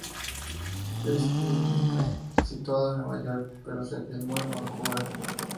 El filme está situado en Nueva York, pero se filmó en Vancouver.